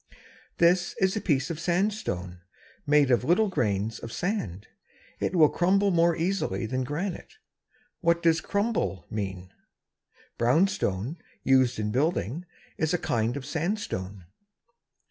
This is a piece of sandstone, made of little grains of sand. It will crumble more easily than granite. What does "crumble" mean? Brownstone, used in building, is a kind of sandstone.